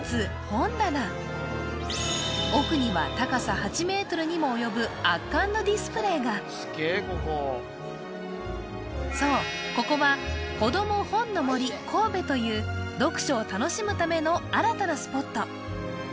本棚奥には高さ８ｍにもおよぶ圧巻のディスプレイがそうここはという読書を楽しむための新たなスポット